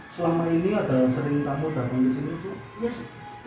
selama ini ada sering tamu datang di sini